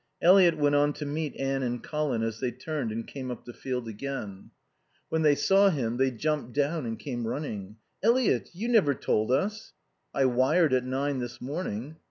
Eliot went on to meet Anne and Colin as they turned and came up the field again. When they saw him they jumped down and came running. "Eliot, you never told us." "I wired at nine this morning."